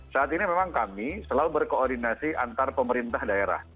saat ini memang kami selalu berkoordinasi antar pemerintah daerah